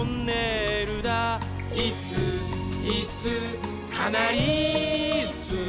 「いっすーいっすーかなりいっすー」